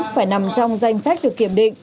phải nằm trong danh vụ chữa trị